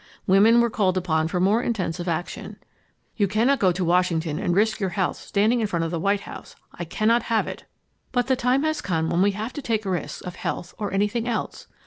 Women were called upon for more intensive action. "You cannot go to Washington and risk your health standing in front of the White House. I cannot have it." "But the time has come when we have to take risks of health or anything else."